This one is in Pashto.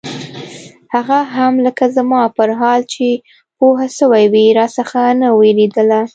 هغه هم لکه زما پر حال چې پوهه سوې وي راڅخه نه وېرېدله.